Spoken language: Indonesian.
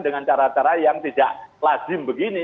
dengan cara cara yang tidak lazim begini